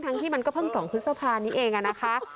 ทั้งที่มันก็เพิ่งสองพฤษภานี้เองอ่ะนะคะ